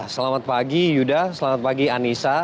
selamat pagi yuda selamat pagi anissa